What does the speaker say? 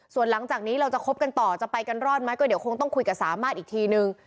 ส่วนหลังจากนี้เราจะคบกันต่อจะไปกันรอดไหมก็เดี๋ยวคงต้องคุยกับสามารถอีกทีนึง